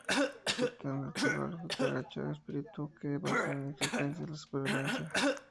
Su tótem tribal es cucaracha, un espíritu que basa su existencia en la supervivencia.